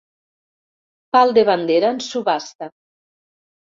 Pal de bandera en subhasta.